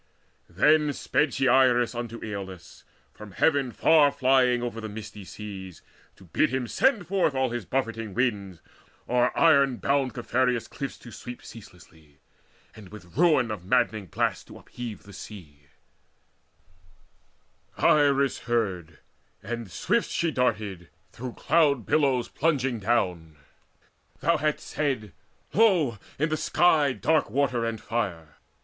Then sped she Iris unto Acolus, From heaven far flying over misty seas, To bid him send forth all his buffering winds O'er iron bound Caphereus' cliffs to sweep Ceaselessly, and with ruin of madding blasts To upheave the sea. And Iris heard, and swift She darted, through cloud billows plunging down Thou hadst said: "Lo, in the sky dark water and fire!"